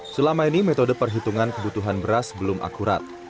selama ini metode perhitungan kebutuhan beras belum akurat